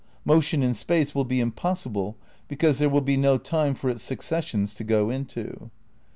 Motion in space will be impossible, because there will be no time for its successions to go into.